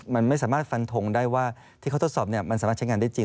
มันไม่สามารถฟันทงได้ว่าที่เขาทดสอบมันสามารถใช้งานได้จริง